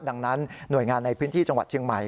ดังนั้นหน่วยงานในพื้นที่จังหวัดเชียงใหม่